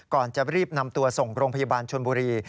ก่อนจะรีบนำตัวส่งโรงพยาบาลชนบุรี